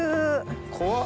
怖っ。